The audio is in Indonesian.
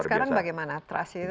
sekarang bagaimana trust itu